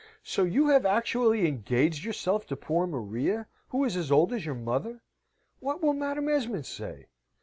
So you have actually engaged yourself to poor Maria, who is as old as your mother? What will Madam Esmond say?